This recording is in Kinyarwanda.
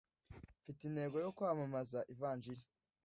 mfite intego yo kwamamaza Ivanjili